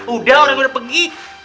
udah orang orang penggi